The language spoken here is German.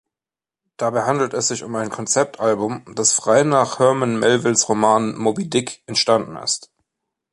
Dabei handelt es sich um ein Konzeptalbum, das frei nach Herman Melvilles Roman "Moby-Dick" entstanden ist.